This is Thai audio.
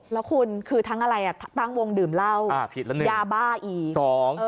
แล้วคุณคือทั้งอะไรตั้งวงดื่มเล่ายาบ้าอีก